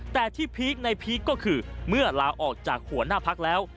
แต่ที่พีคในพีคก็คือเมื่อลาออกจากหัวหน้าพักแล้ว